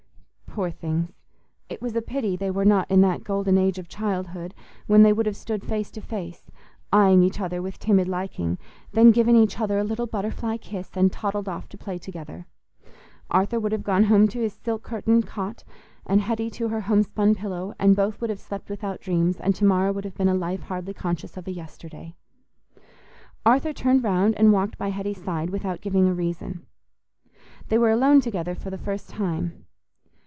Poor things! It was a pity they were not in that golden age of childhood when they would have stood face to face, eyeing each other with timid liking, then given each other a little butterfly kiss, and toddled off to play together. Arthur would have gone home to his silk curtained cot, and Hetty to her home spun pillow, and both would have slept without dreams, and to morrow would have been a life hardly conscious of a yesterday. Arthur turned round and walked by Hetty's side without giving a reason. They were alone together for the first time.